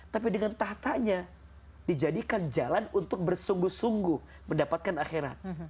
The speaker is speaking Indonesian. tapi dengan tahtanya dijadikan jalan untuk bersungguh sungguh mendapatkan akhirat